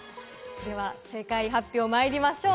正解発表まいりましょう。